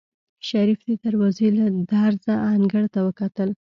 شريف د دروازې له درزه انګړ ته وکتل.